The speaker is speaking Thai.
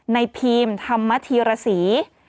นายพีมธรรมธีรษี